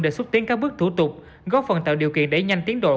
để xuất tiến các bước thủ tục góp phần tạo điều kiện để nhanh tiến đổi